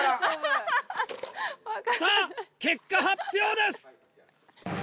さぁ結果発表です！